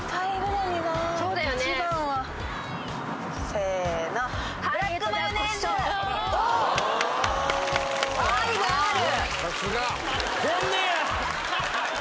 せの愛がある